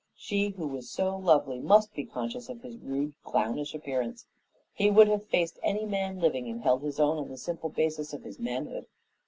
She who was so lovely, must be conscious of his rude, clownish appearance. He would have faced any man living and held his own on the simple basis of his manhood.